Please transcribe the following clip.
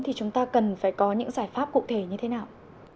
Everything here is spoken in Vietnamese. thì chúng ta cần phải có những giải pháp cụ thể như thế nào